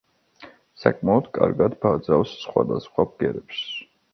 საკმაოდ კარგად ბაძავს სხვადასხვა ბგერებს.